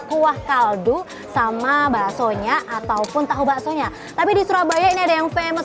puah kaldu sama basonya ataupun tahu bakso nya tapi di surabaya ini ada yang famous